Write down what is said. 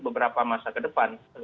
beberapa masa kedepan